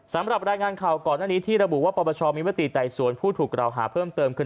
สำหรับรายงานข่าวก่อนหน้านี้ที่ระบุว่าปปชมีมติไต่สวนผู้ถูกกล่าวหาเพิ่มเติมคือ